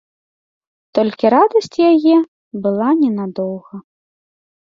Толькі радасць яе была ненадоўга.